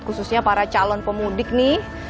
khususnya para calon pemudik nih